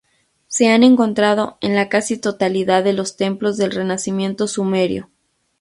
Se han encontrado en la casi totalidad de los templos del renacimiento sumerio.